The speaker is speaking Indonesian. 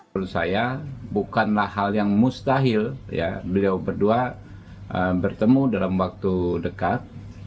menurut saya bukanlah hal yang mustahil beliau berdua bertemu dalam waktu dekat